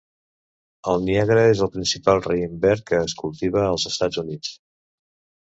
El niàgara és el principal raïm verd que es cultiva als Estats Units.